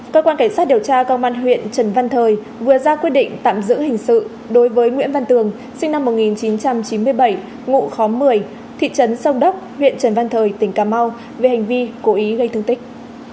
cơ quan cảnh sát điều tra công an huyện trần văn thời vừa ra quyết định tạm giữ hình sự đối với nguyễn văn tường sinh năm một nghìn chín trăm chín mươi bảy ngụ khóm một mươi thị trấn sông đốc huyện trần văn thời tỉnh cà mau về hành vi cố ý gây thương tích